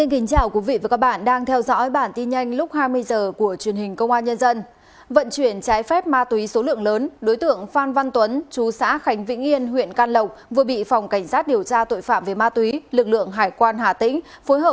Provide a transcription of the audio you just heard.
hãy đăng ký kênh để ủng hộ kênh của chúng mình nhé